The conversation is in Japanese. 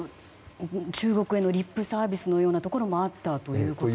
中国へのリップサービスというものがあったということですね。